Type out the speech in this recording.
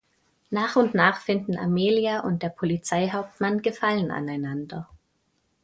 Nach und nach finden Amelia und der Polizeihauptmann Gefallen aneinander.